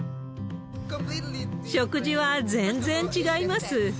食事は全然違います。